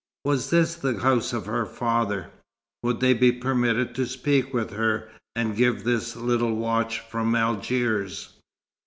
Was this the house of her father? Would they be permitted to speak with her, and give this little watch from Algiers?